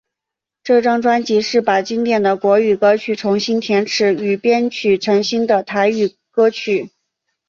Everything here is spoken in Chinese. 这张专辑是把经典的国语歌曲重新填词与编曲成新的台语歌曲。